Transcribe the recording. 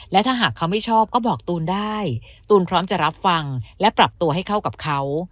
และถ้าหากเขาไม่ชอบก็บอกตูนได้ตูนพร้อมจะรับฟังและปรับตัวให้เข้ากับเขา